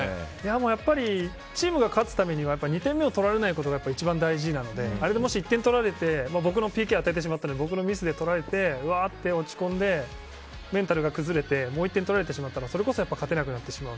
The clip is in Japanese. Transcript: やっぱりチームが勝つためには２点目を取られないことが一番大事なのであれでもし１点取られてＰＫを与えてしまって僕のミスで取られてうわって落ち込んでメンタルが崩れてもう１点取られてしまったらそれこそ勝てなくなってしまう。